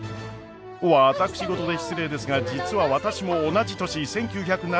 私事で失礼ですが実は私も同じ年１９７２年に東京へ。